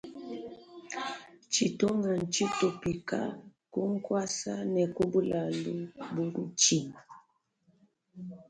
Tshitunga ntshi tupika ku ngwasa ne ku bulalu bu ntshima.